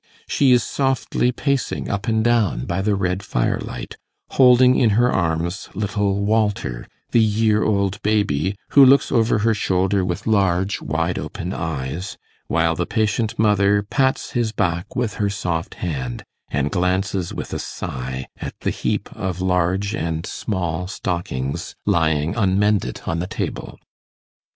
She is softly pacing up and down by the red firelight, holding in her arms little Walter, the year old baby, who looks over her shoulder with large wide open eyes, while the patient mother pats his back with her soft hand, and glances with a sigh at the heap of large and small stockings lying unmended on the table.